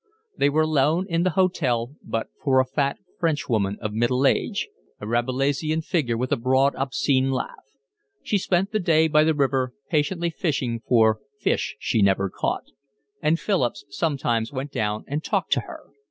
They were alone in the hotel but for a fat Frenchwoman of middle age, a Rabelaisian figure with a broad, obscene laugh. She spent the day by the river patiently fishing for fish she never caught, and Philip sometimes went down and talked to her.